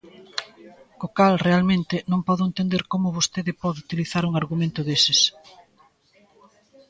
Co cal, realmente, non podo entender como vostede pode utilizar un argumento deses.